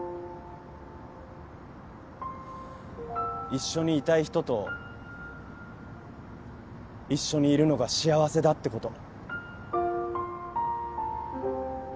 一緒にいたい人と一緒にいるのが幸せだってこと。